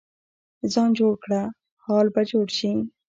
ځان جوړ کړه، حال به جوړ شي.